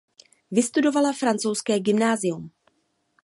Vystudovala francouzské gymnázium.